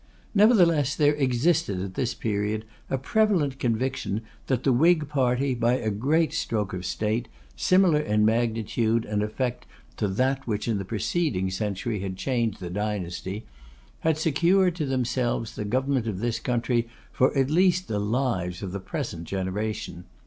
Nevertheless, there existed at this period a prevalent conviction that the Whig party, by a great stroke of state, similar in magnitude and effect to that which in the preceding century had changed the dynasty, had secured to themselves the government of this country for, at least, the lives of the present generation.